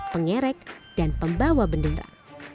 pengerek dan pembawa bendera